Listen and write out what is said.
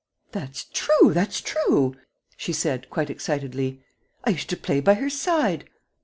..." "That's true, that's true," she said, quite excitedly, "I used to play by her side.